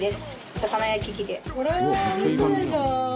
魚焼き器で。